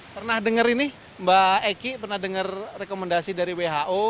pernah dengar ini mbak eki pernah dengar rekomendasi dari who